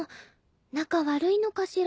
仲悪いのかしら。